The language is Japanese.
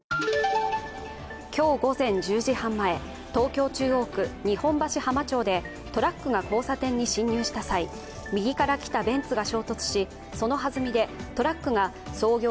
今日午前１０時半前東京・中央区日本橋浜町でトラックが交差点に進入した際、右から来たベンツが衝突し、そのはずみでトラックが創業